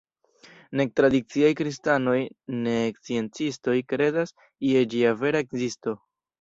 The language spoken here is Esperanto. Nek tradiciaj kristanoj nek sciencistoj kredas je ĝia vera ekzisto.